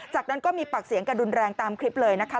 จากนั้นก็มีปากเสียงกระดุนแรงตามคลิปเลยนะคะ